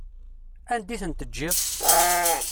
Anda i ten-teǧǧiḍ?